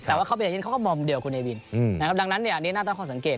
แต่ว่าเขาเป็นเอเย่นเขาก็มองเดียวกับคุณเนวินดังนั้นนี่น่าต้องขอสังเกต